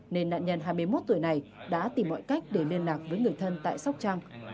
nên nạn nhân hai mươi một tuổi này đã tìm mọi cách để liên lạc với người thân tại sóc trăng